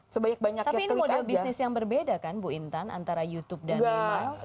tapi ini model bisnis yang berbeda kan bu intan antara youtube dan memang